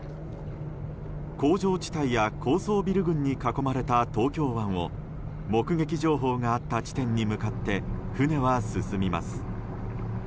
工場地帯や高層ビル群に囲まれた東京湾を目撃情報があった地点に向かって船は進みます。